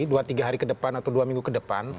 dua tiga hari ke depan atau dua minggu ke depan